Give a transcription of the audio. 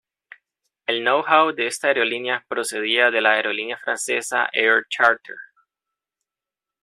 El Know-How de esta aerolínea procedía de la aerolínea francesa Air Charter.